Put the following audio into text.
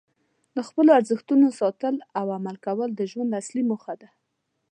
د خپلو ارزښتونو ساتل او عمل کول د ژوند اصلي موخه ده.